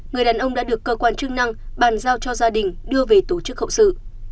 người đàn ông đã được cơ quan chức năng bàn giao cho gia đình đưa về tổ chức hậu sự